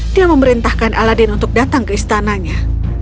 dia memerintahkan aladin untuk datang ke istananya